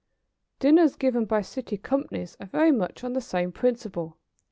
] "Dinners given by City companies are very much on the same principle.